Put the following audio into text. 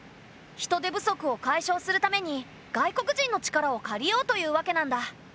人手不足を解消するために外国人の力を借りようというわけなんだ。